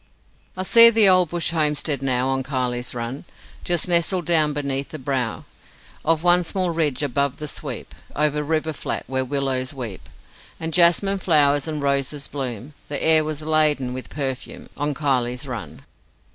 I see the old bush homestead now On Kiley's Run, Just nestled down beneath the brow Of one small ridge above the sweep Of river flat, where willows weep And jasmine flowers and roses bloom, The air was laden with perfume On Kiley's Run.